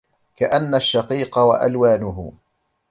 كأن الشقيق وألوانه